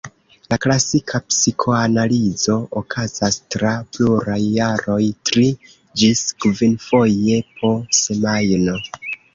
La klasika psikoanalizo okazas tra pluraj jaroj tri- ĝis kvinfoje po semajno.